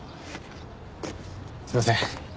すいません